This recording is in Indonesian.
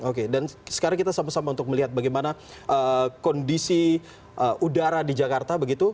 oke dan sekarang kita sama sama untuk melihat bagaimana kondisi udara di jakarta begitu